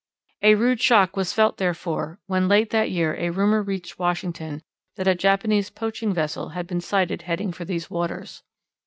A rude shock was felt, therefore, when late that year a rumour reached Washington that a Japanese poaching vessel had been sighted heading for these waters.